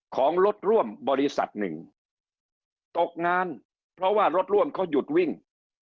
ของรถร่วมบริษัทหนึ่งตกงานเพราะว่ารถร่วมเขาหยุดวิ่ง